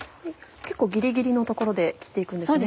結構ギリギリの所で切って行くんですね。